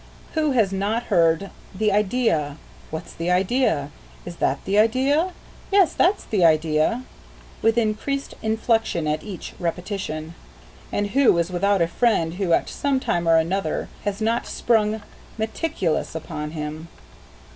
Who has not heard, "The idea!" "What's the idea?" "Is that the idea?" "Yes, that's the idea," with increased inflection at each repetition. And who is without a friend who at some time or another has not sprung "meticulous" upon him?